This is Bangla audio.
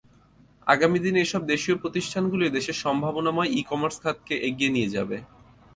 আগামী দিনে এসব দেশীয় প্রতিষ্ঠানগুলোই দেশের সম্ভাবনাময় ই-কমার্স খাতকে এগিয়ে নিয়ে যাবে।